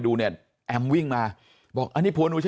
ดูเนี่ยแอมม์วิ่งมาบอกมันไปกับผู้อีก